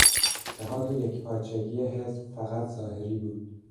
اتحاد و یکپارچگی حزب فقط ظاهری بود.